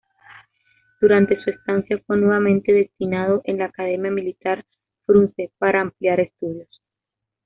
Durante su estancia fue nuevamente destinado en la Academia Militar Frunze para ampliar estudios.